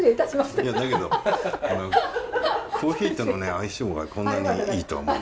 いやだけどコーヒーとの相性がこんなにいいとは思わなかった。